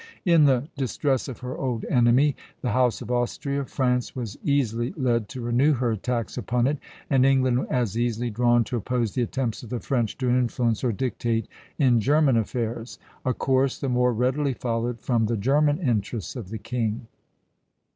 In the distress of her old enemy, the House of Austria, France was easily led to renew her attacks upon it, and England as easily drawn to oppose the attempts of the French to influence or dictate in German affairs, a course the more readily followed from the German interests of the king.